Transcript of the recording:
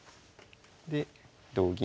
で同銀。